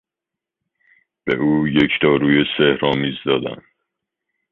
به او یک داروی سحرآمیز دادند.